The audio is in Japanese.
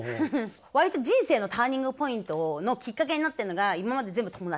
割と人生のターニングポイントのきっかけになってるのが今まで全部友達。